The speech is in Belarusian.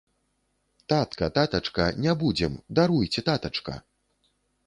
Татка, татачка, не будзем, даруйце, татачка.